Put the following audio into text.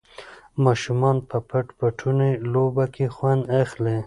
ماشومان په پټ پټوني لوبه کې خوند اخلي.